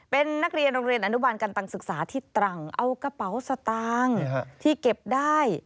เป็นนักเรียนโรงเรียนอนุบาลกันตังศึกษาที่ตรังเอากระเป๋าสตางค์ที่เก็บได้